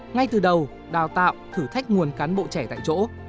ngay từ đầu đào tạo thử thách nguồn cán bộ trẻ tại chỗ